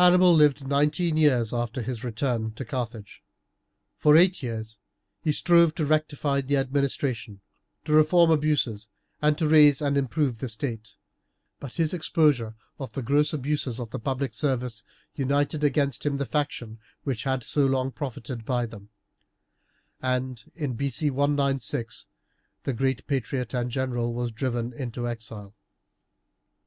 Hannibal lived nineteen years after his return to Carthage. For eight years he strove to rectify the administration, to reform abuses, and to raise and improve the state; but his exposure of the gross abuses of the public service united against him the faction which had so long profited by them, and, in B. C. 196, the great patriot and general was driven into exile.